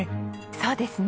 そうですね。